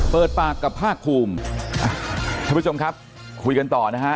เปิดปากกับภาคภูมิท่านผู้ชมครับคุยกันต่อนะฮะ